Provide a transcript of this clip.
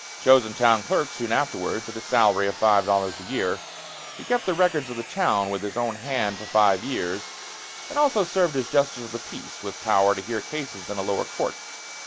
Chosen town clerk soon afterwards, at a salary of five dollars a year, he kept the records of the town with his own hand for five years, and also served as justice of the peace with power to hear cases in a lower court.